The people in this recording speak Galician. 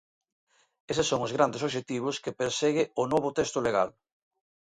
Eses son os grandes obxectivos que persegue o novo texto legal.